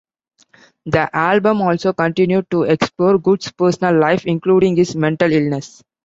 The album also continued to explore Good's personal life, including his mental illness.